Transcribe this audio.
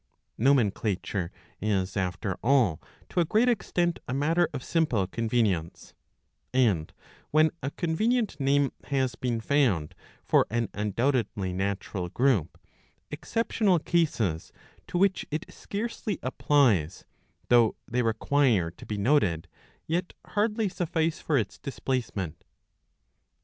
Nomenclature is after all to a great extent a matter of simple convenience ; and, when a convenient name has been found for an undoubtedly natural group, exceptional cases to which it scarcely applies, though they require to be noted, yet hardly suffice for its displacement.